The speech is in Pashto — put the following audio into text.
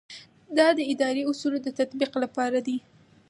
دا د اداري اصولو د تطبیق لپاره دی.